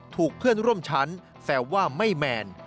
ถูกเพื่อนร่วมชั้นแซวว่าไม่แมน